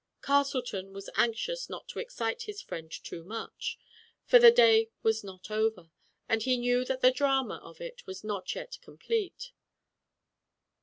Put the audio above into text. Castleton was anxious not to excite his friend too much. For the day was not over, and he knew that the drama of it was not yet complete.